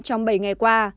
trong bảy ngày qua